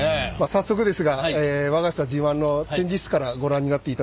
早速ですが我が社自慢の展示室からご覧になっていただきたいと思います。